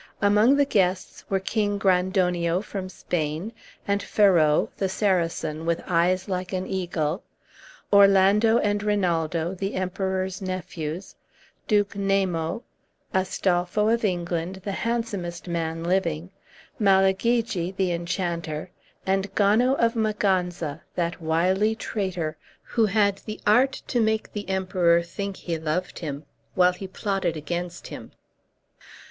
Among the guests were King Grandonio, from Spain; and Ferrau, the Saracen, with eyes like an eagle; Orlando and Rinaldo, the Emperor's nephews; Duke Namo; Astolpho, of England, the handsomest man living; Malagigi, the Enchanter; and Gano, of Maganza, that wily traitor, who had the art to make the Emperor think he loved him, while he plotted against him.